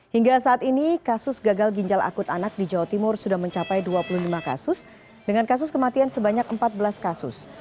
hingga saat ini kasus gagal ginjal akut anak di jawa timur sudah mencapai dua puluh lima kasus dengan kasus kematian sebanyak empat belas kasus